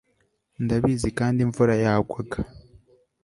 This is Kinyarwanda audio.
Ndabizi kandi imvura yagwaga